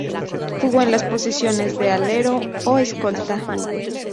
Jugó en las posiciones de Alero o Escolta.